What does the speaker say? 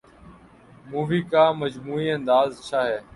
movie کا مجموعی انداز اچھا ہے